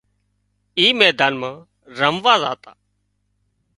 اي ميدان مان رموا زاتان